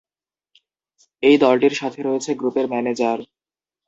এই দলটির সাথে রয়েছে গ্রুপের ম্যানেজার।